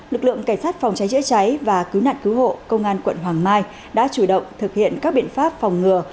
lực lượng cảnh sát phòng cháy chữa cháy và cứu nạn cứu hộ công an quận hoàng mai đã chủ động thực hiện các biện pháp phòng ngừa